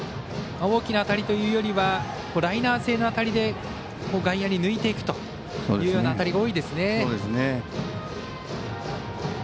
大きな当たりというよりはライナー性の当たりで外野に抜いていくような当たりが多いですね。